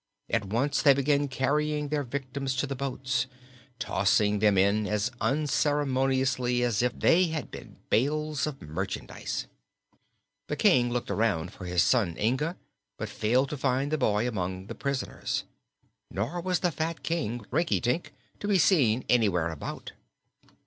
At once they began carrying their victims to the boats, tossing them in as unceremoniously as if they had been bales of merchandise. The King looked around for his son Inga, but failed to find the boy among the prisoners. Nor was the fat King, Rinkitink, to be seen anywhere about.